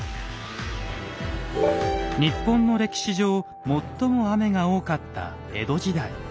日本の歴史上最も雨が多かった江戸時代。